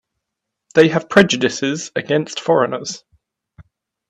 They have prejudices against foreigners.